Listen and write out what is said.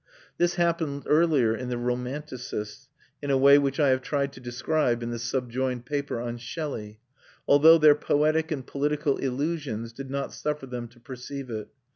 This happened earlier to the romanticists (in a way which I have tried to describe in the subjoined paper on Shelley) although their poetic and political illusions did not suffer them to perceive it.